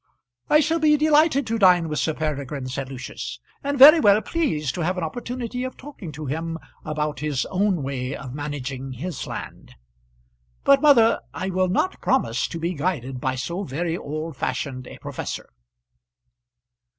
"I shall be delighted to dine with Sir Peregrine," said Lucius, "and very well pleased to have an opportunity of talking to him about his own way of managing his land; but, mother, I will not promise to be guided by so very old fashioned a professor."